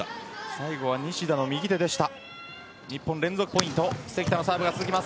最後は西田の右手でした。